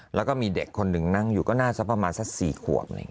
แล้วก็มีเด็กคนหนึ่งนั่งอยู่ก็น่าจะประมาณสัก๔ขวบ